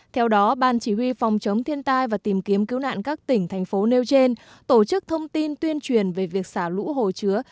theo đó ban chỉ huy phòng chống thiên tai và tìm kiếm cứu nạn các tỉnh thành phố nêu trên tổ chức thông tin tuyên truyền về việc xả lũ hồ chứa